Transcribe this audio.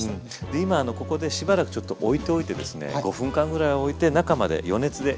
今ここでしばらくちょっとおいておいてですね５分間ぐらいおいて中まで余熱で火を入れていきます。